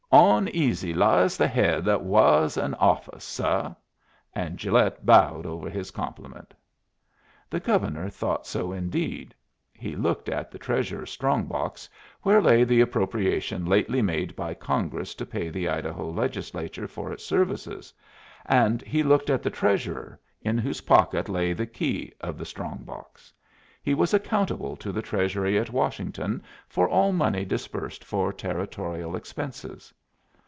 "Oneasy lies the head that wahs an office, suh." And Gilet bowed over his compliment. The Governor thought so indeed. He looked at the Treasurer's strong box, where lay the appropriation lately made by Congress to pay the Idaho Legislature for its services; and he looked at the Treasurer, in whose pocket lay the key of the strong box. He was accountable to the Treasury at Washington for all money disbursed for Territorial expenses.